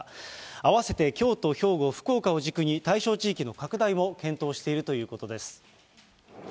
併せて、京都、兵庫、福岡を軸に対象地域の拡大を検討しているということです。